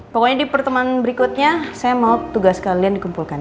pokoknya di pertemuan berikutnya saya mau tugas kalian dikumpulkan